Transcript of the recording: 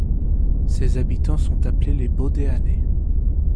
Ses habitants sont appelés les Beaudéannais.